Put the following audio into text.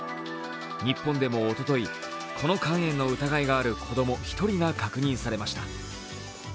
日本でもおととい、この肝炎の疑いがある子供１人が確認されました。